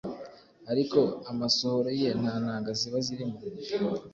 ariko amasohoro ye nta ntanga ziba zirimo